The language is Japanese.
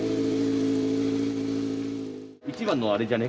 一番のあれじゃね？